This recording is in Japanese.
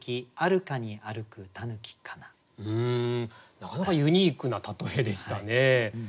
なかなかユニークな例えでしたね。